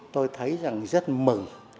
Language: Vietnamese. tôi thấy rằng rất mừng